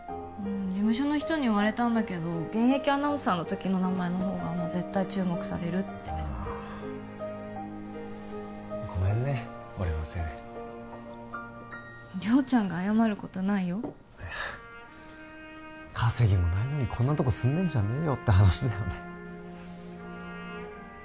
事務所の人に言われたんだけど現役アナウンサーの時の名前の方が絶対注目されるってあごめんね俺のせいで亮ちゃんが謝ることないよ稼ぎもないのにこんなとこ住んでんじゃねえよって話だよね